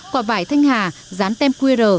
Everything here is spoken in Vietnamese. quả vải thanh hà dán tem qr